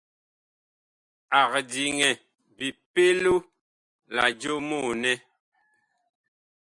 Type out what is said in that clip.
Ag diŋɛ bipɛlo la jomoo nɛ.